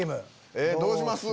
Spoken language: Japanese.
えっどうします？